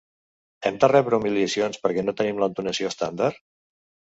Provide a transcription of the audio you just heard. Hem de rebre humiliacions perquè no tenim l’entonació estàndard?